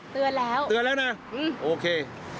เตือนแล้วเตือนแล้วนะโอเค